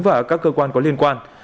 và các cơ quan có liên quan